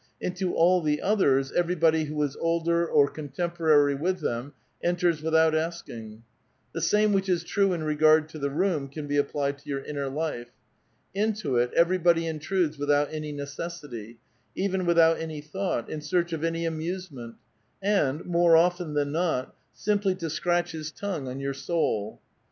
Into all the others, everyboily who is older or contemporarj' with them enters without asking. Tlie same which is true in regard to the room can be applied to your inner life. Into it everybody intrudes without any necessity, even without any thought, in search of any amuse ment, and, more often than not, simply to ^ scratch his tongue on your soul.'